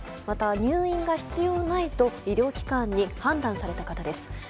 また入院が必要ないと医療機関に判断された方です。